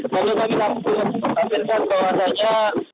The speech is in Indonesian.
kalau kami lakukan lakukan bahwa saja